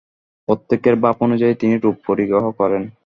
প্রত্যেকের ভাব অনুযায়ী তিনি রূপ পরিগ্রহ করেন।